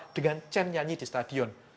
dengan chan nyanyi di stadion